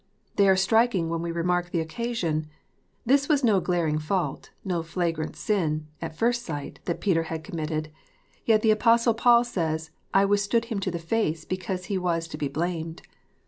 They are striking, when we remark the occasion : this was no glaring fault, no flagrant sin, at first sight, that Peter had committed ! Yet the Apostle Paul says, " I withstood him to the face, because he was to be blamed."